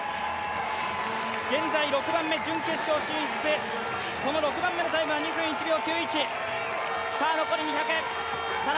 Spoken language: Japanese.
現在６番目、準決勝進出に向けて、そのタイムは２分１秒９１。